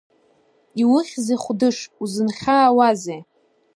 Иухьзеи, Хәдыш, узынхьаауазеи?